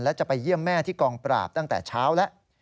และจะไปเยี่ยมแม่ที่กองปราบตั้งแต่เช้าแล้ว